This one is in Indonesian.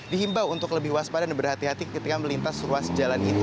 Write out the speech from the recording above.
dihimbau untuk lebih waspada dan berhati hati ketika melintas ruas jalan ini